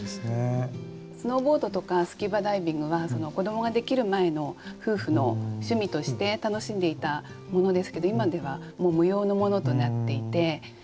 スノーボードとかスキューバダイビングは子どもができる前の夫婦の趣味として楽しんでいたものですけど今では無用のものとなっていて。